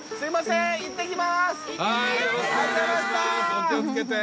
お気を付けて。